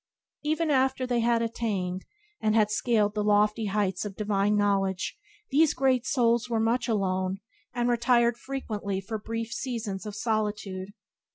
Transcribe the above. Even after they had attained, and had scaled the lofty heights of divine knowledge these Great Souls were much alone, and retired frequently for brief seasons of solitude.